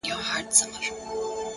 مثبت چلند د چاپېریال فضا بدلوي.!